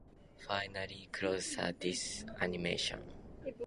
Finitary closure operators with this property give rise to antimatroids.